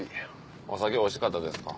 お酒おいしかったですか？